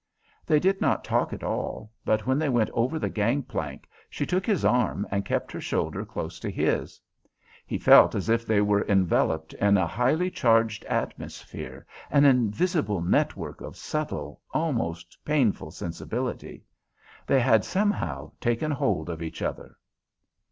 They did not talk at all, but when they went over the gang plank she took his arm and kept her shoulder close to his. He felt as if they were enveloped in a highly charged atmosphere, an invisible network of subtle, almost painful sensibility. They had somehow taken hold of each other.